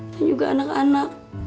dan juga anak anak